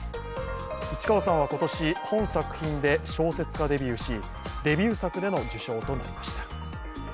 市川さんは今年、本作品で小説家デビューしデビュー作での受賞となりました。